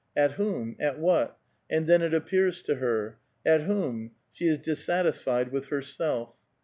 At whom? at what? and then it appears to her. At whom? She is dissatisfied with herself.